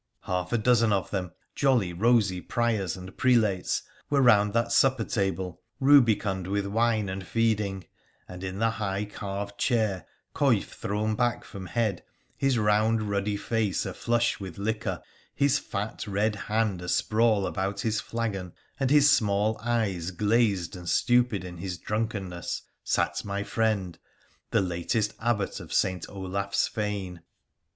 Half a dozen of them, jolly, rosy priors and prelates, were round that supper table, rubicund with wine and feeding, and in the high carved chair, coif thrown back from head, his round ruddy face aflush with liquor, his fat red hand asprawl about his flagon, and his small eyes glazed and stupid in his drunkenness, sat my friend the latest Abbot of St. Olaf's fane.